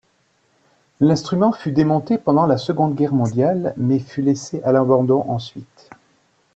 L'instrument fut démonté pendant la Seconde Guerre mondiale mais fut laissé à l'abandon ensuite.